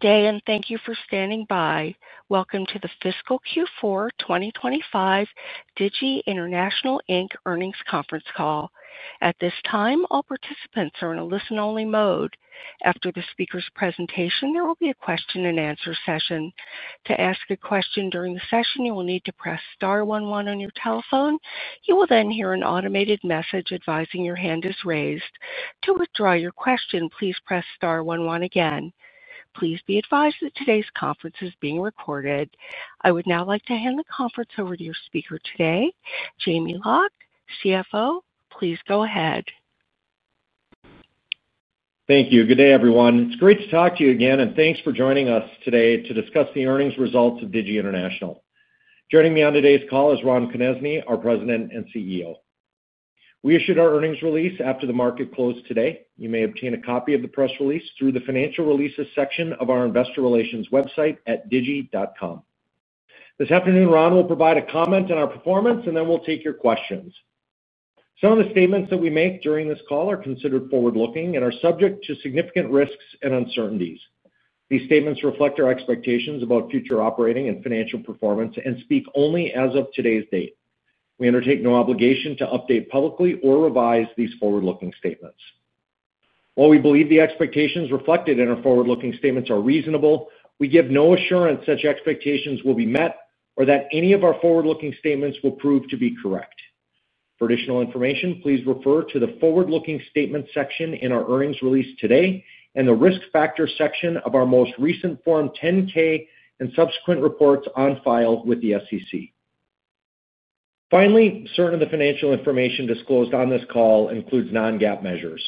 Good day, and thank you for standing by. Welcome to the Fiscal Q4 2025 Digi International Inc Earnings Conference Call. At this time, all participants are in a listen-only mode. After the speaker's presentation, there will be a question-and-answer session. To ask a question during the session, you will need to press star one one on your telephone. You will then hear an automated message advising your hand is raised. To withdraw your question, please press star one one again. Please be advised that today's conference is being recorded. I would now like to hand the conference over to your speaker today, Jamie Loch, CFO. Please go ahead. Thank you. Good day, everyone. It's great to talk to you again, and thanks for joining us today to discuss the earnings results of Digi International. Joining me on today's call is Ron Konezny, our President and CEO. We issued our earnings release after the market closed today. You may obtain a copy of the press release through the financial releases section of our investor relations website at digi.com. This afternoon, Ron will provide a comment on our performance, and then we'll take your questions. Some of the statements that we make during this call are considered forward-looking and are subject to significant risks and uncertainties. These statements reflect our expectations about future operating and financial performance and speak only as of today's date. We undertake no obligation to update publicly or revise these forward-looking statements. While we believe the expectations reflected in our forward-looking statements are reasonable, we give no assurance such expectations will be met or that any of our forward-looking statements will prove to be correct. For additional information, please refer to the forward-looking statements section in our earnings release today and the risk factor section of our most recent Form 10-K and subsequent reports on file with the SEC. Finally, certain of the financial information disclosed on this call includes non-GAAP measures.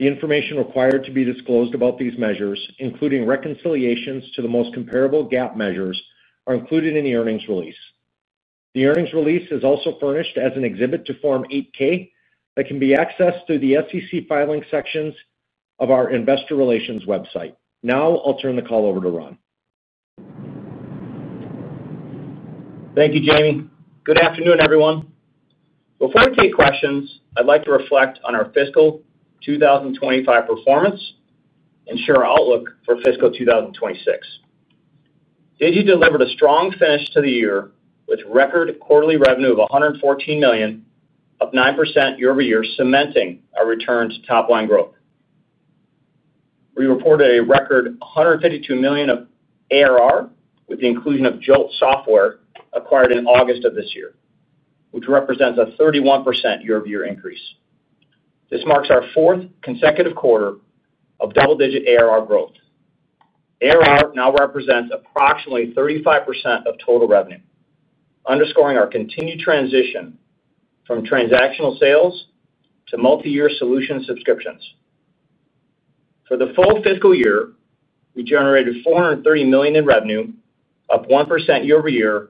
The information required to be disclosed about these measures, including reconciliations to the most comparable GAAP measures, are included in the earnings release. The earnings release is also furnished as an exhibit to Form 8-K that can be accessed through the SEC filing sections of our investor relations website. Now, I'll turn the call over to Ron. Thank you, Jamie. Good afternoon, everyone. Before we take questions, I'd like to reflect on our fiscal 2025 performance and share our outlook for fiscal 2026. Digi delivered a strong finish to the year with record quarterly revenue of $114 million, up 9% year-over-year, cementing our return to top-line growth. We reported a record $152 million of ARR with the inclusion of Jolt Software acquired in August of this year, which represents a 31% year-over-year increase. This marks our fourth consecutive quarter of double-digit ARR growth. ARR now represents approximately 35% of total revenue, underscoring our continued transition from transactional sales to multi-year solution subscriptions. For the full fiscal year, we generated $430 million in revenue, up 1% year-over-year,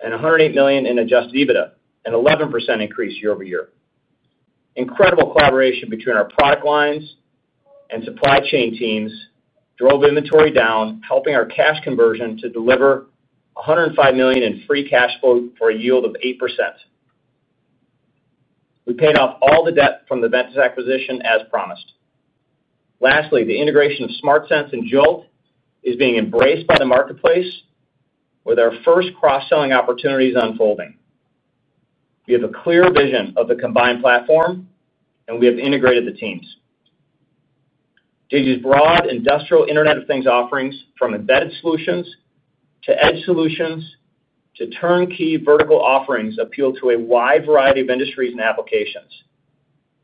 and $108 million in adjusted EBITDA, an 11% increase year-over-year. Incredible collaboration between our product lines and supply chain teams drove inventory down, helping our cash conversion to deliver $105 million in free cash flow for a yield of 8%. We paid off all the debt from the Ventus acquisition as promised. Lastly, the integration of SmartSense and Jolt is being embraced by the marketplace, with our first cross-selling opportunities unfolding. We have a clear vision of the combined platform, and we have integrated the teams. Digi's broad industrial Internet of Things offerings, from embedded solutions to edge solutions to turnkey vertical offerings, appeal to a wide variety of industries and applications.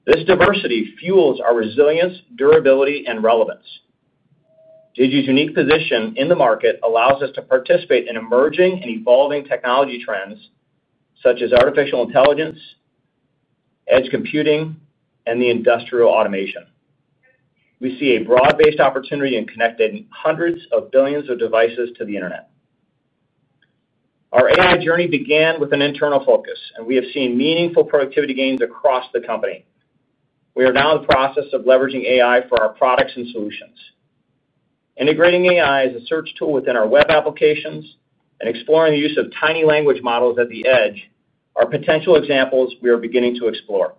This diversity fuels our resilience, durability, and relevance. Digi's unique position in the market allows us to participate in emerging and evolving technology trends, such as artificial intelligence, edge computing, and the industrial automation. We see a broad-based opportunity in connecting hundreds of billions of devices to the internet. Our AI journey began with an internal focus, and we have seen meaningful productivity gains across the company. We are now in the process of leveraging AI for our products and solutions. Integrating AI as a search tool within our web applications and exploring the use of tiny language models at the edge are potential examples we are beginning to explore.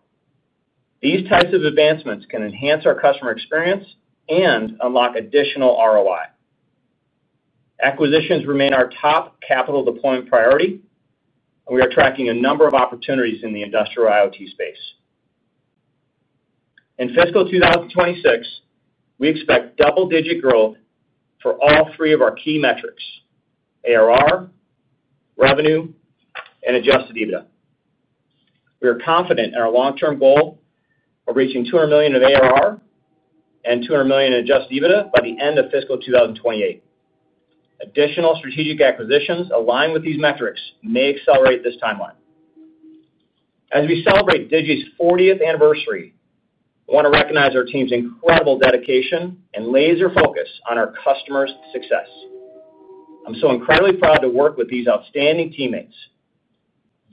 These types of advancements can enhance our customer experience and unlock additional ROI. Acquisitions remain our top capital deployment priority, and we are tracking a number of opportunities in the industrial IoT space. In fiscal 2026, we expect double-digit growth for all three of our key metrics: ARR, revenue, and adjusted EBITDA. We are confident in our long-term goal of reaching $200 million of ARR and $200 million in adjusted EBITDA by the end of fiscal 2028. Additional strategic acquisitions aligned with these metrics may accelerate this timeline. As we celebrate Digi's 40th anniversary, I want to recognize our team's incredible dedication and laser focus on our customers' success. I'm so incredibly proud to work with these outstanding teammates.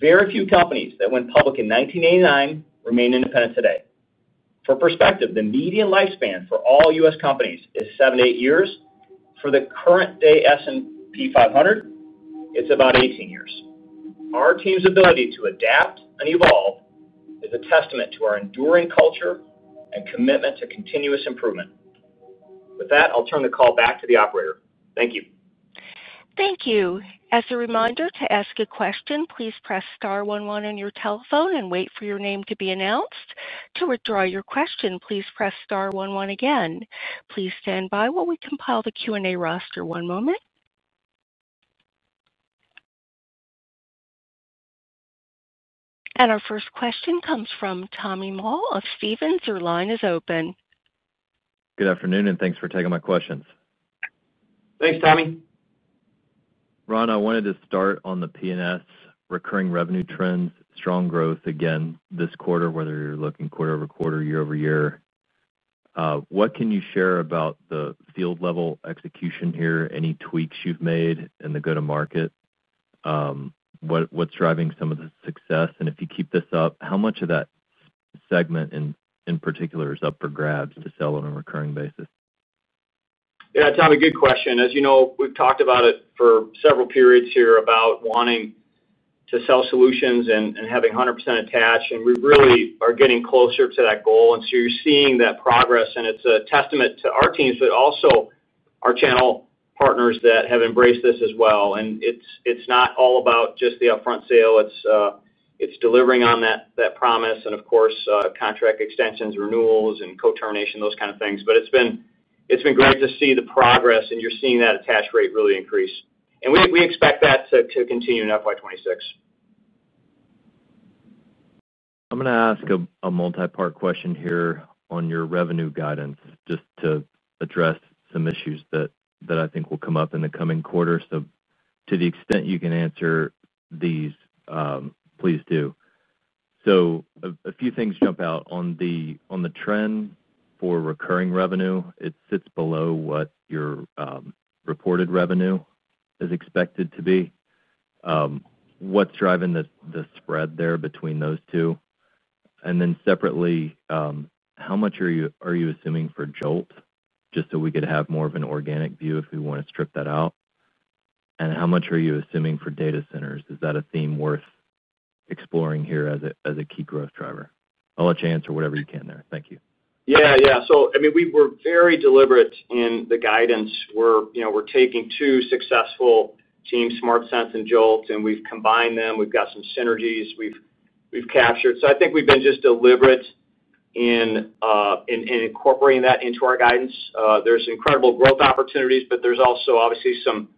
Very few companies that went public in 1989 remain independent today. For perspective, the median lifespan for all U.S. companies is 78 years. For the current-day S&P 500, it's about 18 years. Our team's ability to adapt and evolve is a testament to our enduring culture and commitment to continuous improvement. With that, I'll turn the call back to the operator. Thank you. Thank you. As a reminder, to ask a question, please press star one one on your telephone and wait for your name to be announced. To withdraw your question, please press star one one again. Please stand by while we compile the Q&A roster. One moment. Our first question comes from Tommy Moll of Stephens. Your line is open. Good afternoon, and thanks for taking my questions. Thanks, Tommy. Ron, I wanted to start on the P&S recurring revenue trends, strong growth again this quarter, whether you're looking quarter over quarter, year-over-year. What can you share about the field-level execution here? Any tweaks you've made in the go-to-market? What's driving some of the success? If you keep this up, how much of that segment in particular is up for grabs to sell on a recurring basis? Yeah, Tommy, good question. As you know, we've talked about it for several periods here about wanting to sell solutions and having 100% attached. We really are getting closer to that goal. You are seeing that progress, and it's a testament to our teams, but also our channel partners that have embraced this as well. It's not all about just the upfront sale. It's delivering on that promise and, of course, contract extensions, renewals, and co-termination, those kind of things. It's been great to see the progress, and you're seeing that attached rate really increase. We expect that to continue in FY2026. I'm going to ask a multi-part question here on your revenue guidance, just to address some issues that I think will come up in the coming quarter. To the extent you can answer these, please do. A few things jump out. On the trend for recurring revenue, it sits below what your reported revenue is expected to be. What's driving the spread there between those two? Then separately, how much are you assuming for Jolt, just so we could have more of an organic view if we want to strip that out? How much are you assuming for data centers? Is that a theme worth exploring here as a key growth driver? I'll let you answer whatever you can there. Thank you. Yeah, yeah. I mean, we were very deliberate in the guidance. We're taking two successful teams, SmartSense and Jolt, and we've combined them. We've got some synergies we've captured. I think we've been just deliberate in incorporating that into our guidance. There's incredible growth opportunities, but there's also obviously some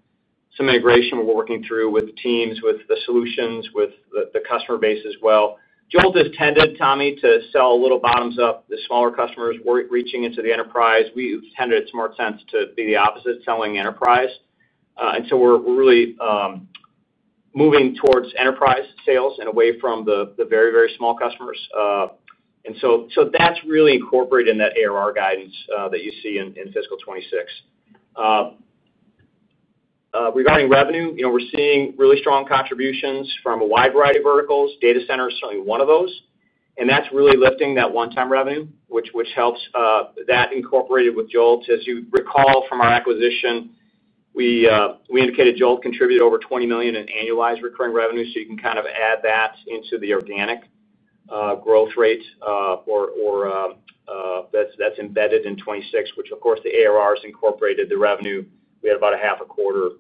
integration we're working through with the teams, with the solutions, with the customer base as well. Jolt has tended, Tommy, to sell a little bottoms-up to smaller customers reaching into the enterprise. We've tended at SmartSense to be the opposite, selling enterprise. We're really moving towards enterprise sales and away from the very, very small customers. That's really incorporated in that ARR guidance that you see in fiscal 2026. Regarding revenue, we're seeing really strong contributions from a wide variety of verticals. Data center is certainly one of those. That is really lifting that one-time revenue, which helps that incorporated with Jolt. As you recall from our acquisition, we indicated Jolt contributed over $20 million in Annualized Recurring Revenue. You can kind of add that into the organic growth rate that is embedded in 2026, which, of course, the ARR is incorporated in the revenue. We had about half a quarter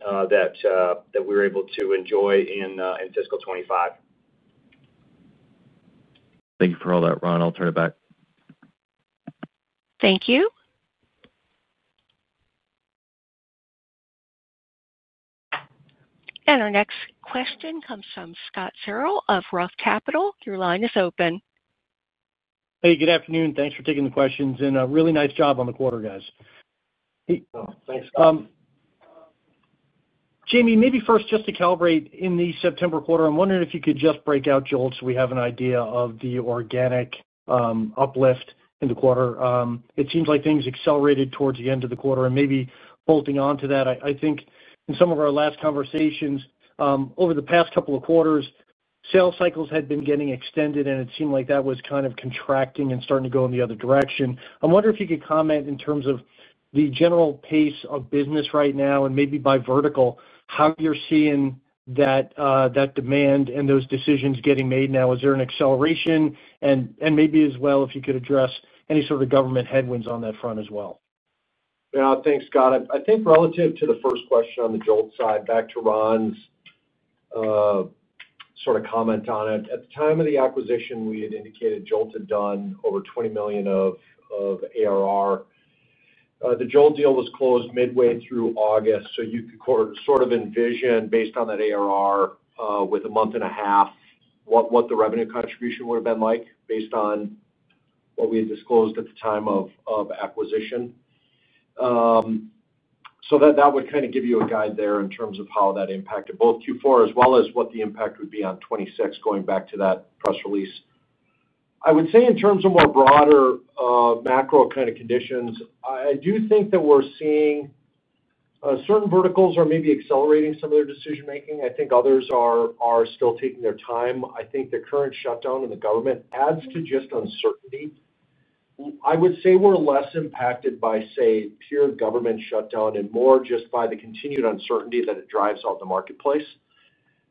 that we were able to enjoy in fiscal 2025. Thank you for all that, Ron. I'll turn it back. Thank you. Our next question comes from Scott Ferrell of Roth Capital. Your line is open. Hey, good afternoon. Thanks for taking the questions. Really nice job on the quarter, guys. Thanks. Jamie, maybe first, just to calibrate in the September quarter, I'm wondering if you could just break out Jolt so we have an idea of the organic uplift in the quarter. It seems like things accelerated towards the end of the quarter. Maybe bolting onto that, I think in some of our last conversations over the past couple of quarters, sales cycles had been getting extended, and it seemed like that was kind of contracting and starting to go in the other direction. I'm wondering if you could comment in terms of the general pace of business right now and maybe by vertical how you're seeing that demand and those decisions getting made now. Is there an acceleration? Maybe as well, if you could address any sort of government headwinds on that front as well. Yeah, thanks, Scott. I think relative to the first question on the Jolt side, back to Ron's sort of comment on it. At the time of the acquisition, we had indicated Jolt had done over $20 million of ARR. The Jolt deal was closed midway through August. You could sort of envision, based on that ARR with a month and a half, what the revenue contribution would have been like based on what we had disclosed at the time of acquisition. That would kind of give you a guide there in terms of how that impacted both Q4 as well as what the impact would be on 2026 going back to that press release. I would say in terms of more broader macro kind of conditions, I do think that we're seeing certain verticals are maybe accelerating some of their decision-making. I think others are still taking their time. I think the current shutdown in the government adds to just uncertainty. I would say we're less impacted by, say, pure government shutdown and more just by the continued uncertainty that it drives out the marketplace.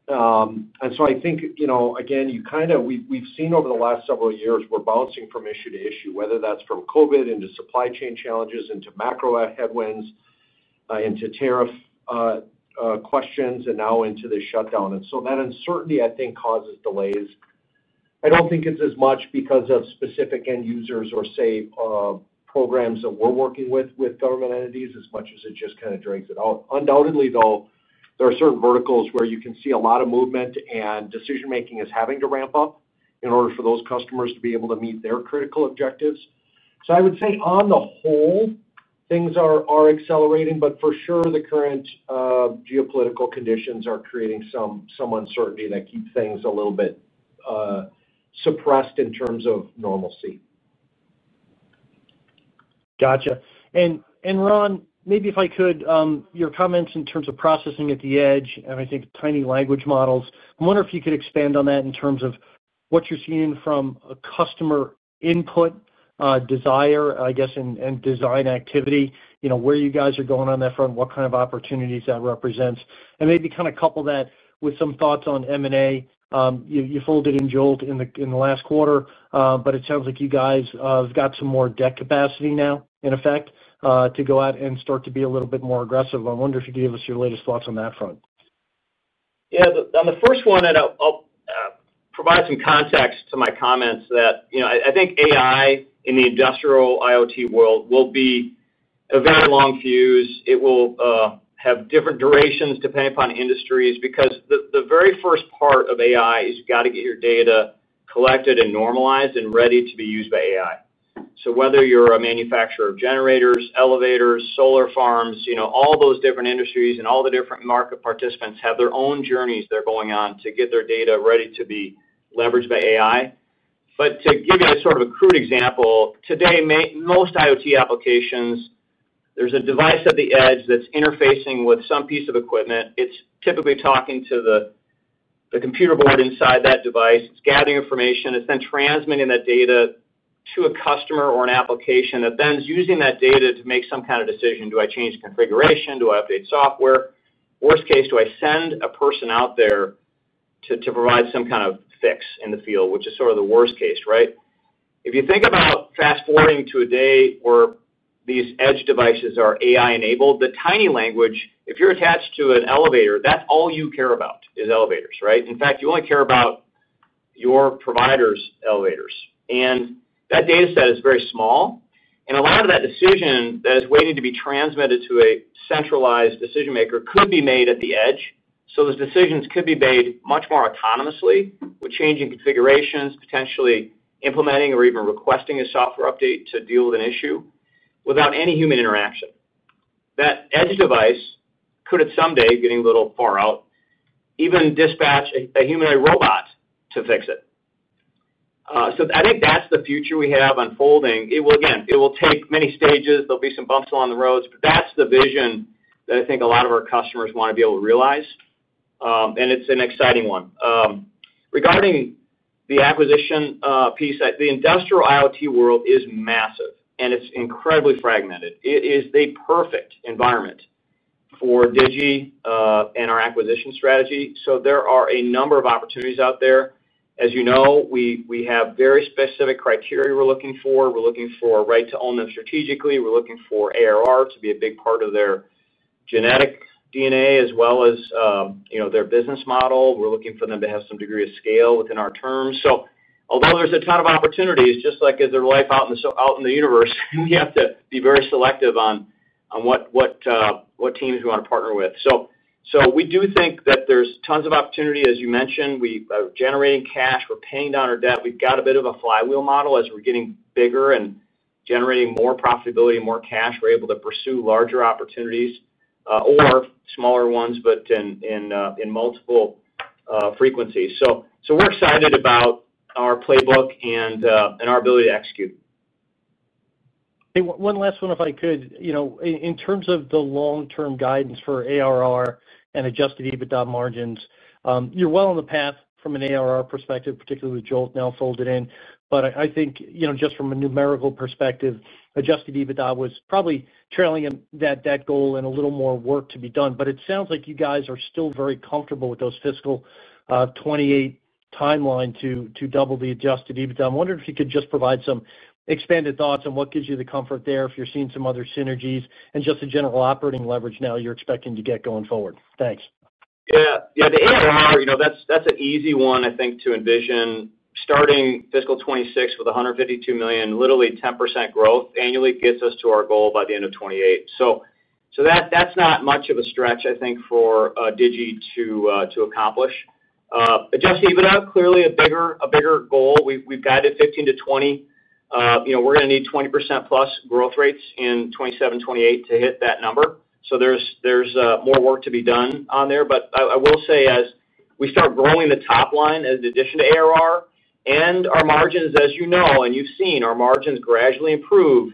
I think, again, you kind of we've seen over the last several years we're bouncing from issue to issue, whether that's from COVID into supply chain challenges, into macro headwinds, into tariff questions, and now into the shutdown. That uncertainty, I think, causes delays. I don't think it's as much because of specific end users or, say, programs that we're working with government entities as much as it just kind of drags it out. Undoubtedly, though, there are certain verticals where you can see a lot of movement, and decision-making is having to ramp up in order for those customers to be able to meet their critical objectives. I would say on the whole, things are accelerating, but for sure, the current geopolitical conditions are creating some uncertainty that keeps things a little bit suppressed in terms of normalcy. Gotcha. Ron, maybe if I could, your comments in terms of processing at the edge and I think tiny language models. I'm wondering if you could expand on that in terms of what you're seeing from a customer input desire, I guess, and design activity, where you guys are going on that front, what kind of opportunities that represents. Maybe kind of couple that with some thoughts on M&A. You folded in Jolt in the last quarter, but it sounds like you guys have got some more debt capacity now, in effect, to go out and start to be a little bit more aggressive. I wonder if you could give us your latest thoughts on that front. Yeah. On the first one, and I'll provide some context to my comments that I think AI in the industrial IoT world will be a very long fuse. It will have different durations depending upon industries because the very first part of AI is you've got to get your data collected and normalized and ready to be used by AI. Whether you're a manufacturer of generators, elevators, solar farms, all those different industries and all the different market participants have their own journeys they're going on to get their data ready to be leveraged by AI. To give you a sort of a crude example, today, most IoT applications, there's a device at the edge that's interfacing with some piece of equipment. It's typically talking to the computer board inside that device. It's gathering information. It's then transmitting that data to a customer or an application that then is using that data to make some kind of decision. Do I change configuration? Do I update software? Worst case, do I send a person out there to provide some kind of fix in the field, which is sort of the worst case, right? If you think about fast-forwarding to a day where these edge devices are AI-enabled, the tiny language, if you're attached to an elevator, that's all you care about is elevators, right? In fact, you only care about your provider's elevators. And that data set is very small. A lot of that decision that is waiting to be transmitted to a centralized decision-maker could be made at the edge. Those decisions could be made much more autonomously, with changing configurations, potentially implementing or even requesting a software update to deal with an issue without any human interaction. That edge device could at some day, getting a little far out, even dispatch a humanoid robot to fix it. I think that's the future we have unfolding. It will take many stages. There'll be some bumps along the roads. That's the vision that I think a lot of our customers want to be able to realize. It's an exciting one. Regarding the acquisition piece, the industrial IoT world is massive, and it's incredibly fragmented. It is the perfect environment for Digi and our acquisition strategy. There are a number of opportunities out there. As you know, we have very specific criteria we're looking for. We're looking for right to own them strategically. We're looking for ARR to be a big part of their genetic DNA as well as their business model. We're looking for them to have some degree of scale within our terms. Although there's a ton of opportunities, just like there's life out in the universe, we have to be very selective on what teams we want to partner with. We do think that there's tons of opportunity, as you mentioned. We are generating cash. We're paying down our debt. We've got a bit of a flywheel model as we're getting bigger and generating more profitability, more cash. We're able to pursue larger opportunities or smaller ones, but in multiple frequencies. We're excited about our playbook and our ability to execute. Hey, one last one, if I could. In terms of the long-term guidance for ARR and adjusted EBITDA margins, you're well on the path from an ARR perspective, particularly with Jolt now folded in. I think just from a numerical perspective, adjusted EBITDA was probably trailing that goal and a little more work to be done. It sounds like you guys are still very comfortable with those fiscal 2028 timeline to double the adjusted EBITDA. I'm wondering if you could just provide some expanded thoughts on what gives you the comfort there if you're seeing some other synergies and just the general operating leverage now you're expecting to get going forward. Thanks. Yeah. Yeah. The ARR, that's an easy one, I think, to envision. Starting fiscal 2026 with $152 million, literally 10% growth annually gets us to our goal by the end of 2028. That's not much of a stretch, I think, for Digi to accomplish. Adjusted EBITDA, clearly a bigger goal. We've guided 15%-20%. We're going to need +20% growth rates in 2027, 2028 to hit that number. There's more work to be done on there. I will say as we start growing the top line in addition to ARR and our margins, as you know, and you've seen our margins gradually improve,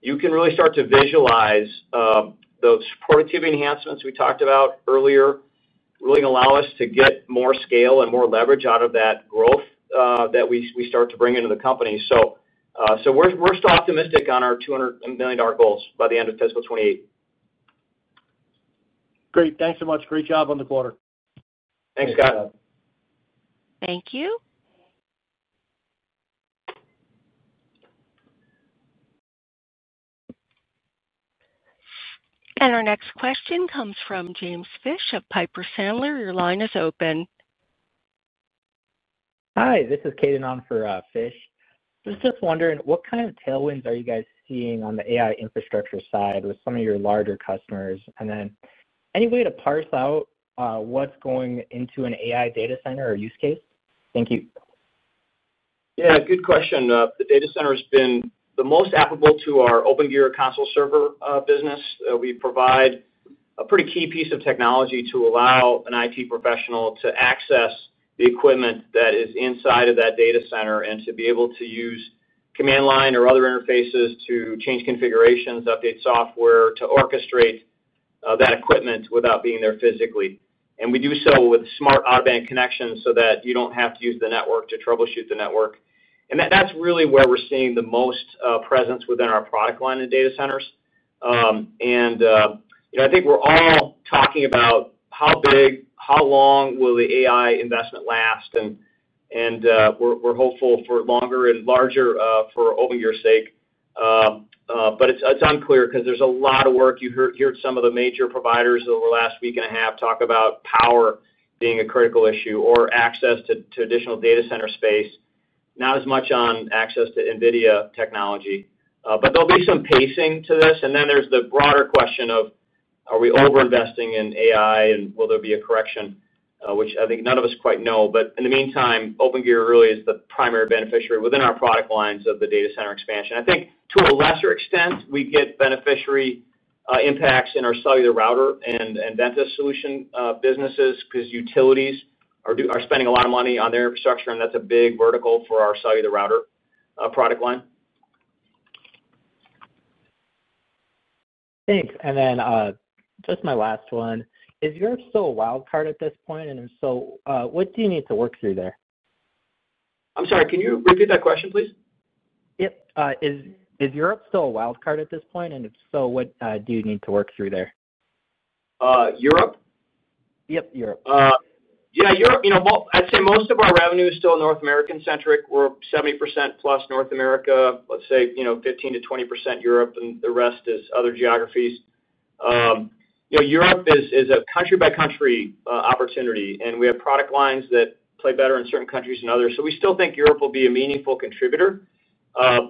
you can really start to visualize those productivity enhancements we talked about earlier really allow us to get more scale and more leverage out of that growth that we start to bring into the company. We're still optimistic on our $200 million goals by the end of fiscal 2028. Great. Thanks so much. Great job on the quarter. Thanks, Scott. Thank you. Our next question comes from James Fish of Piper Sandler. Your line is open. Hi. This is [Caynon] for Fish. I was just wondering what kind of tailwinds are you guys seeing on the AI infrastructure side with some of your larger customers? Any way to parse out what's going into an AI data center or use case? Thank you. Yeah. Good question. The data center has been the most applicable to our Opengear Console Server business. We provide a pretty key piece of technology to allow an IT professional to access the equipment that is inside of that data center and to be able to use command line or other interfaces to change configurations, update software, to orchestrate that equipment without being there physically. We do so with smart automatic connections so that you do not have to use the network to troubleshoot the network. That is really where we are seeing the most presence within our product line and data centers. I think we are all talking about how big, how long will the AI investment last? We are hopeful for longer and larger for Opengear's sake. It is unclear because there is a lot of work. You heard some of the major providers over the last week and a half talk about power being a critical issue or access to additional data center space, not as much on access to NVIDIA technology. There will be some pacing to this. There is the broader question of, are we over-investing in AI, and will there be a correction, which I think none of us quite know? In the meantime, Opengear really is the primary beneficiary within our product lines of the data center expansion. I think to a lesser extent, we get beneficiary impacts in our cellular router and embedded solution businesses because utilities are spending a lot of money on their infrastructure, and that's a big vertical for our cellular router product line. Thanks. Just my last one. Is Europe still a wildcard at this point? If so, what do you need to work through there? I'm sorry. Can you repeat that question, please? Yep. Is Europe still a wildcard at this point? And if so, what do you need to work through there? Europe? Yep, Europe. Yeah, Europe. I'd say most of our revenue is still North American-centric. We're 70% plus North America, let's say 15%-20% Europe, and the rest is other geographies. Europe is a country-by-country opportunity, and we have product lines that play better in certain countries than others. So we still think Europe will be a meaningful contributor.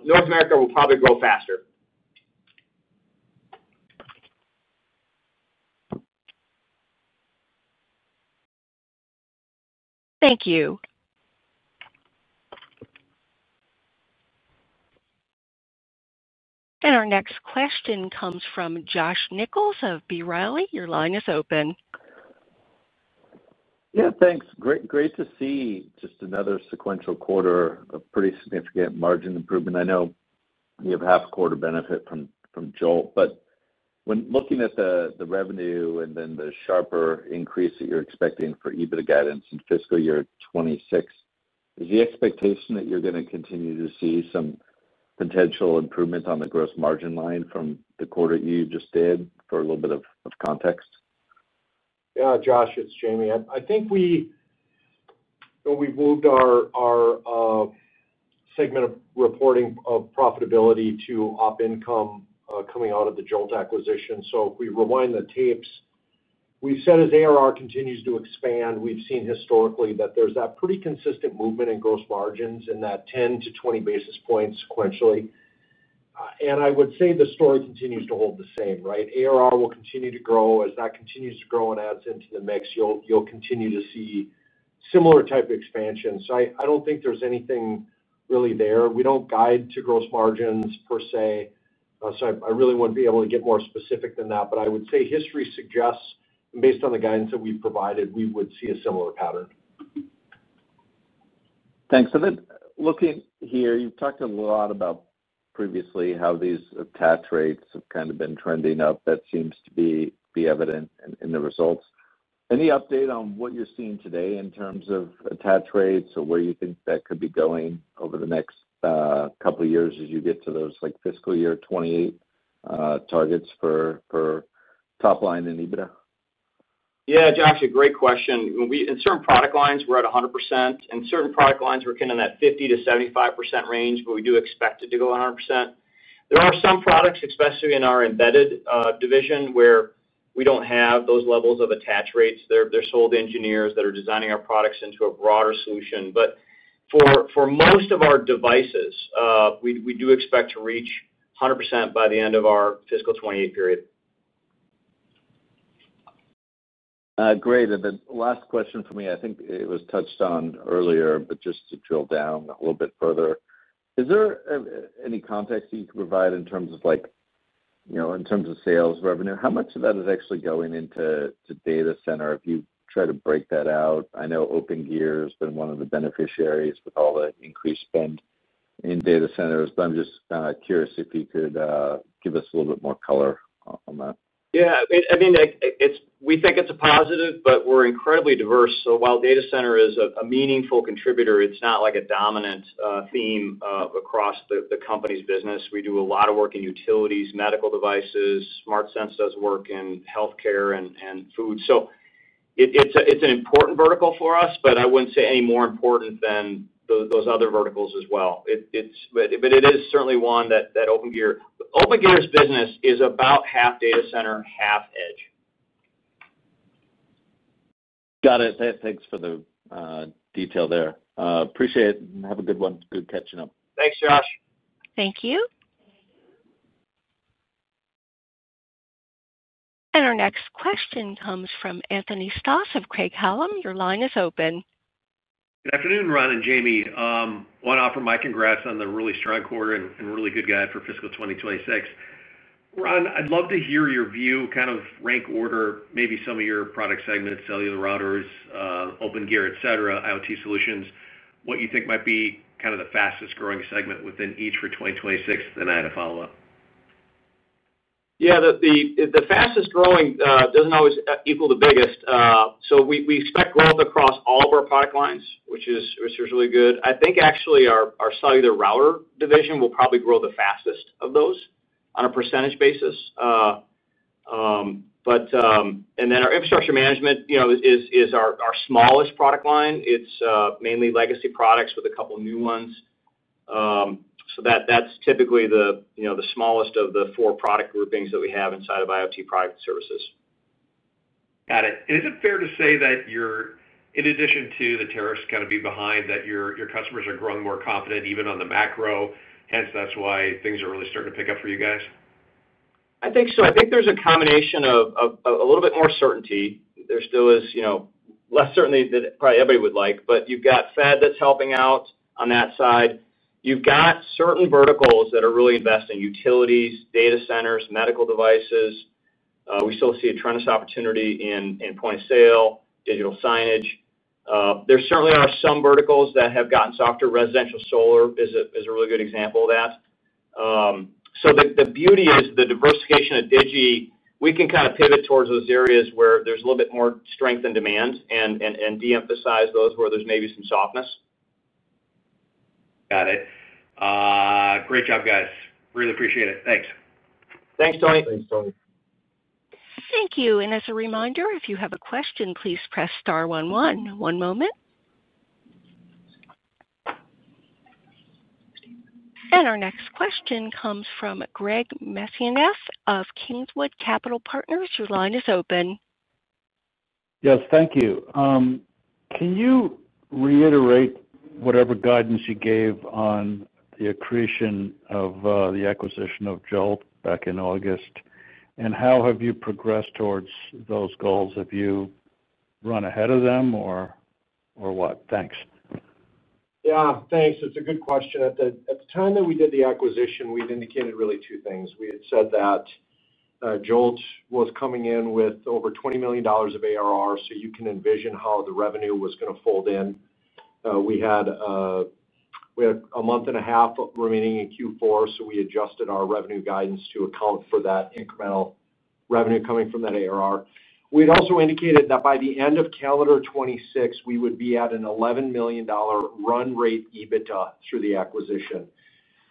North America will probably grow faster. Thank you. Our next question comes from Josh Nichols of B. Riley. Your line is open. Yeah. Thanks. Great to see just another sequential quarter of pretty significant margin improvement. I know you have half a quarter benefit from Jolt, but when looking at the revenue and then the sharper increase that you're expecting for EBITDA guidance in fiscal year 2026, is the expectation that you're going to continue to see some potential improvement on the gross margin line from the quarter you just did for a little bit of context? Yeah. Josh, it's Jamie. I think we moved our segment of reporting of profitability to op income coming out of the Jolt acquisition. If we rewind the tapes, we've said as ARR continues to expand, we've seen historically that there's that pretty consistent movement in gross margins and that 10 basis points-20 basis points sequentially. I would say the story continues to hold the same, right? ARR will continue to grow. As that continues to grow and adds into the mix, you'll continue to see similar type of expansion. I don't think there's anything really there. We don't guide to gross margins per se. I really wouldn't be able to get more specific than that. I would say history suggests, and based on the guidance that we've provided, we would see a similar pattern. Thanks. You have talked a lot about previously how these attach rates have kind of been trending up. That seems to be evident in the results. Any update on what you are seeing today in terms of attach rates or where you think that could be going over the next couple of years as you get to those fiscal year 2028 targets for top line and EBITDA? Yeah, Josh, a great question. In certain product lines, we're at 100%. In certain product lines, we're kind of in that 50%-75% range, but we do expect it to go 100%. There are some products, especially in our embedded division, where we don't have those levels of attach rates. They're sold to engineers that are designing our products into a broader solution. For most of our devices, we do expect to reach 100% by the end of our fiscal 2028 period. Great. The last question for me, I think it was touched on earlier, but just to drill down a little bit further, is there any context you can provide in terms of sales revenue? How much of that is actually going into data center if you try to break that out? I know Opengear has been one of the beneficiaries with all the increased spend in data centers, but I'm just curious if you could give us a little bit more color on that. Yeah. I mean, we think it's a positive, but we're incredibly diverse. While data center is a meaningful contributor, it's not a dominant theme across the company's business. We do a lot of work in utilities, medical devices. SmartSense does work in healthcare and food. It's an important vertical for us, but I wouldn't say any more important than those other verticals as well. It is certainly one that Opengear's business is about half data center, half edge. Got it. Thanks for the detail there. Appreciate it. Have a good one. Good catching up. Thanks, Josh. Thank you. Our next question comes from Anthony Stoss of Craig-Hallum. Your line is open. Good afternoon, Ron and Jamie. I want to offer my congrats on the really strong quarter and really good guide for fiscal 2026. Ron, I'd love to hear your view, kind of rank order, maybe some of your product segments, cellular routers, Opengear, etc., IoT solutions, what you think might be kind of the fastest growing segment within each for 2026, then I had a follow-up. Yeah. The fastest growing does not always equal the biggest. We expect growth across all of our product lines, which is really good. I think actually our cellular router division will probably grow the fastest of those on a percentage basis. Our infrastructure management is our smallest product line. It is mainly legacy products with a couple of new ones. That is typically the smallest of the four product groupings that we have inside of IoT product services. Got it. Is it fair to say that in addition to the tariffs kind of being behind, that your customers are growing more confident even on the macro? Hence, that's why things are really starting to pick up for you guys? I think so. I think there's a combination of a little bit more certainty. There still is less certainty than probably everybody would like, but you've got Fed that's helping out on that side. You've got certain verticals that are really investing: utilities, data centers, medical devices. We still see a tremendous opportunity in Point Of Sale, digital signage. There certainly are some verticals that have gotten softer. Residential solar is a really good example of that. The beauty is the diversification of Digi; we can kind of pivot towards those areas where there's a little bit more strength in demand and de-emphasize those where there's maybe some softness. Got it. Great job, guys. Really appreciate it. Thanks. Thanks, Tony. Thanks, Tony. Thank you. As a reminder, if you have a question, please press star one one. One moment. Our next question comes from Greg Mesniaeff of Kingswood Capital Partners. Your line is open. Yes. Thank you. Can you reiterate whatever guidance you gave on the accretion of the acquisition of Jolt back in August? And how have you progressed towards those goals? Have you run ahead of them or what? Thanks. Yeah. Thanks. It's a good question. At the time that we did the acquisition, we'd indicated really two things. We had said that Jolt was coming in with over $20 million of ARR, so you can envision how the revenue was going to fold in. We had a month and a half remaining in Q4, so we adjusted our revenue guidance to account for that incremental revenue coming from that ARR. We had also indicated that by the end of calendar 2026, we would be at an $11 million run rate EBITDA through the acquisition.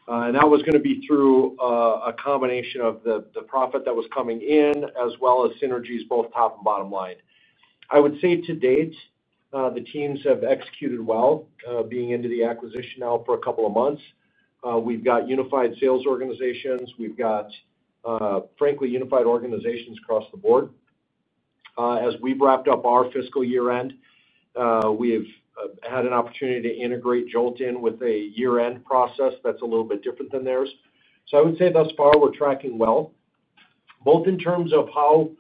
That was going to be through a combination of the profit that was coming in as well as synergies both top and bottom line. I would say to date, the teams have executed well being into the acquisition now for a couple of months. We've got unified sales organizations. We've got, frankly, unified organizations across the board. As we've wrapped up our fiscal year-end, we've had an opportunity to integrate Jolt in with a year-end process that's a little bit different than theirs. I would say thus far, we're tracking well, both in terms of how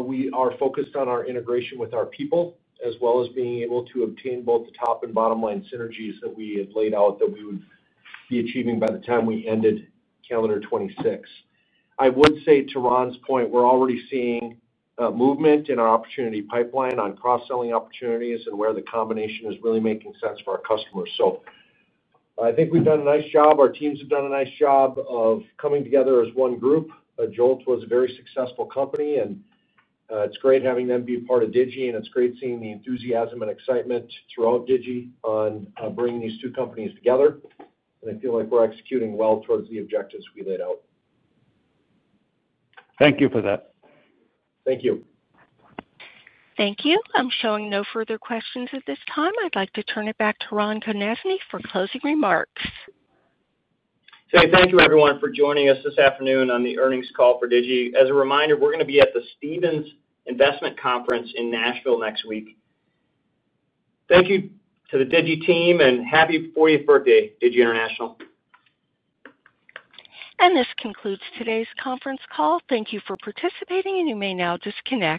we are focused on our integration with our people as well as being able to obtain both the top and bottom line synergies that we had laid out that we would be achieving by the time we ended calendar 2026. I would say to Ron's point, we're already seeing movement in our opportunity pipeline on cross-selling opportunities and where the combination is really making sense for our customers. I think we've done a nice job. Our teams have done a nice job of coming together as one group. Jolt was a very successful company, and it's great having them be part of Digi, and it's great seeing the enthusiasm and excitement throughout Digi on bringing these two companies together. I feel like we're executing well towards the objectives we laid out. Thank you for that. Thank you. Thank you. I'm showing no further questions at this time. I'd like to turn it back to Ron Konezny for closing remarks. Okay. Thank you, everyone, for joining us this afternoon on the earnings call for Digi. As a reminder, we're going to be at the Stevens Investment Conference in Nashville next week. Thank you to the Digi team, and happy 40th birthday, Digi International. This concludes today's conference call. Thank you for participating, and you may now disconnect.